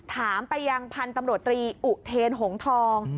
ถามไปยังพันธุ์ตำรวจตรีอุเทนหงทอง